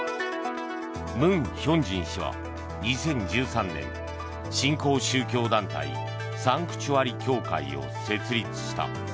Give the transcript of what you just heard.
文亨進氏は、２０１３年新興宗教団体サンクチュアリ教会を設立した。